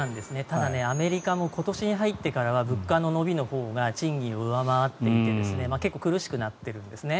ただ、アメリカも今年に入ってからは物価の伸びのほうが賃金を上回っていて結構苦しくなってるんですね。